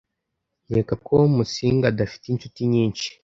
Nkeka ko Musinga adafite inshuti nyinshi.